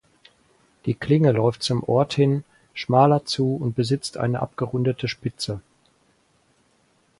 Die Klinge läuft zum Ort hin schmaler zu und besitzt eine abgerundete Spitze.